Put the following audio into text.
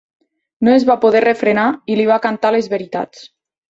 No es va poder refrenar i li va cantar les veritats.